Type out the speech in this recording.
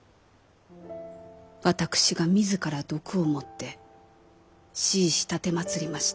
私が自ら毒を盛って弑し奉りました。